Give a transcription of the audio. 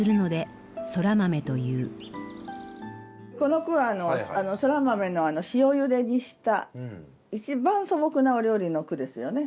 この句はそら豆の塩ゆでにした一番素朴なお料理の句ですよね。